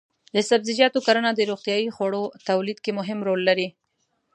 د سبزیجاتو کرنه د روغتیايي خوړو تولید کې مهم رول لري.